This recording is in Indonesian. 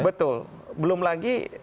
betul belum lagi